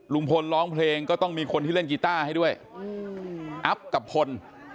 ลุงพลร้องเพลงก็ต้องมีคนที่เล่นกีต้าให้ด้วยอัพกับพล